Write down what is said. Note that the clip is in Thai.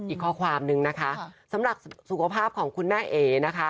อีกข้อความนึงนะคะสำหรับสุขภาพของคุณแม่เอ๋นะคะ